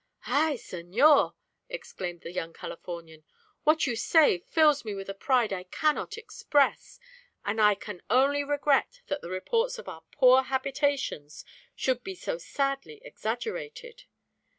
"Ay! senor!" exclaimed the young Californian. "What you say fills me with a pride I cannot express, and I can only regret that the reports of our poor habitations should be so sadly exaggerated.